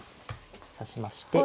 指しまして。